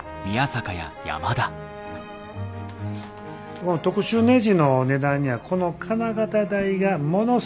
この特殊ねじの値段にはこの金型代がものすご影響する。